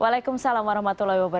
waalaikumsalam warahmatullahi wabarakatuh